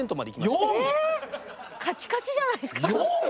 えっカチカチじゃないですか！